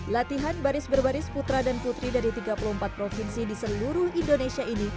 latihan baris berbaris putra dan putri dari tiga puluh empat provinsi di seluruh indonesia ini